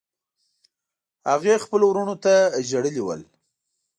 هغې خپلو وروڼو ته ژړلي ول.